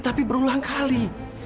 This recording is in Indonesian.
tapi berulang kali